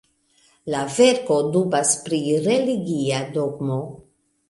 La verko dubas pri religia dogmo.